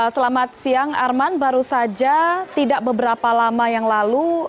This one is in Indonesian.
selamat siang arman baru saja tidak beberapa lama yang lalu